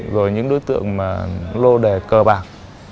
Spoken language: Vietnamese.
rồi những đối tượng mà lô đề cờ bạc